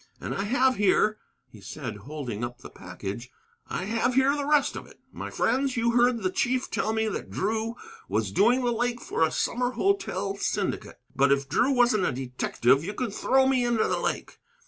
And I have here," he said, holding up the package, "I have here the rest of it. My friends, you heard the chief tell me that Drew was doing the lake for a summer hotel syndicate. But if Drew wasn't a detective you can throw me into the lake!